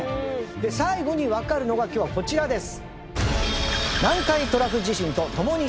最後にわかるのが今日はこちらです。